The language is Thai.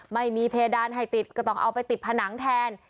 ไม่มีเพดานให้ติดก็ต้องเอาไปติดผนังแทน